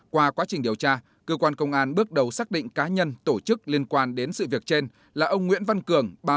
qua quá trình điều tra cơ quan công an bước đầu xác định cá nhân tổ chức liên quan đến sự việc trên là ông nguyễn văn cường